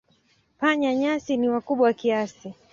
Panya-nyasi ni wakubwa kiasi.